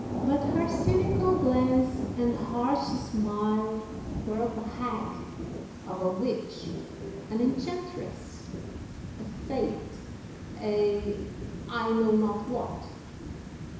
"'But her cynical glance and harsh smile were of a hag, of a witch, an enchantress, a Fate, a I know not what!